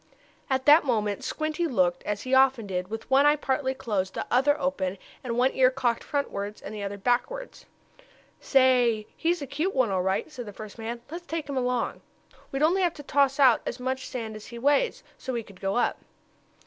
At that moment Squinty looked up, as he often did, with one eye partly closed, the other open, and with one ear cocked frontwards, and the other backwards. "Say, he's a cute one all right," said the first man. "Let's take him along." "What for?" asked his friend. "We'd only have to toss out as much sand as he weighs so we could go up."